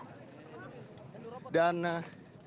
ada pak ada pak